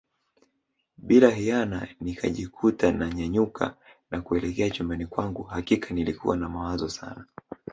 Bila hiana nikajikuta na nyanyuka na kuelekea chumbani kwangu hakika nilikuwa na mawazo Sana